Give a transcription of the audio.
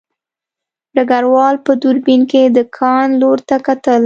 ډګروال په دوربین کې د کان لور ته کتل